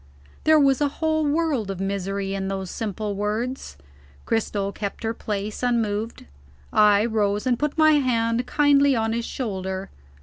There was a whole world of misery in those simple words. Cristel kept her place, unmoved. I rose, and put my hand kindly on his shoulder.